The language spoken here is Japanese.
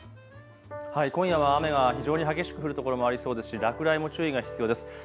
今夜は雨が非常に激しく降る所もありそうですし落雷も注意が必要です。